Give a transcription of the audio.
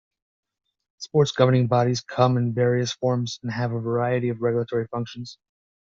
Sports governing bodies come in various forms, and have a variety of regulatory functions.